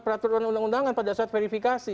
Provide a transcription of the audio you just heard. peraturan undang undangan pada saat verifikasi